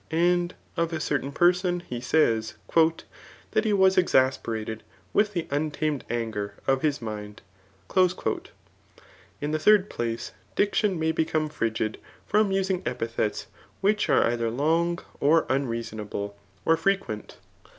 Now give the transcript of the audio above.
And of a certain person, he says, <* that he was exasperated with the untamed anger . of his mind." In the third place, diction may become frigid from rising epithets, which are either long, or unseasonable, or frequent.